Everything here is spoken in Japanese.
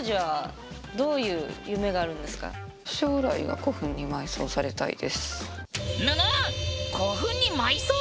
はい。